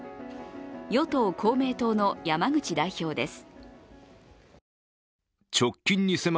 与党・公明党の山口代表です。